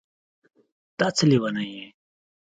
دا څه لېونی یې